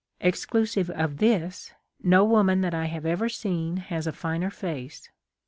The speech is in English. Exclusive of this, no woman that I have ever seen has a finer face.